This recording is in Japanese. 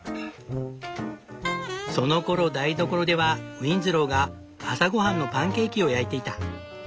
そのころ台所ではウィンズローが朝ごはんのパンケーキを焼いていた。